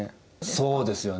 そうですよね。